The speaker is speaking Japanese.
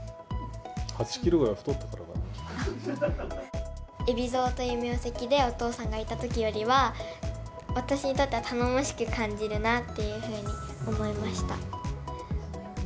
８キロくらい太ったからかな海老蔵という名跡で、お父さんがいたときよりは、私にとっては、頼もしく感じるなというふうに思いました。